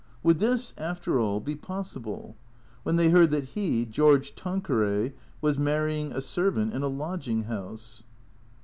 Would this, after all, be pos sible? When they heard that he, George Tanqueray, was mar rying a servant in a lodging house